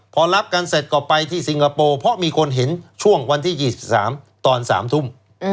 พอรับกันเสร็จก็ไปที่สิงคโปร์เพราะมีคนเห็นช่วงวันที่๒๓ตอน๓ทุ่ม